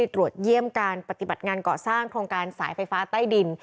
ตรวจเยี่ยมการปฏิบัติงานก่อสร้างโครงการสายไฟฟ้าใต้ดิน